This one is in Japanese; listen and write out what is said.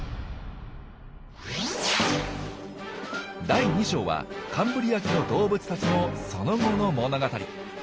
第２章はカンブリア紀の動物たちのその後の物語。